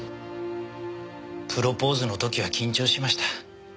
プロポーズの時は緊張しました。